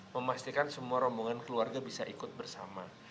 memastikan semua rombongan keluarga bisa ikut bersama